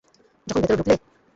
যখন ভেতরে ঢুকলে?